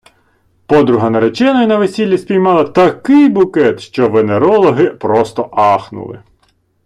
Подруга нареченої на весіллі спіймала такий букет, що венерологи просто ахнули!